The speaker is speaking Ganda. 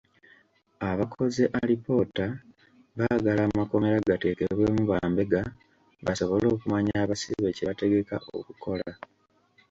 Abakoze alipoota baagala amakomera gateekebwemu bambega basobole okumanya abasibe kye bategeka okukola.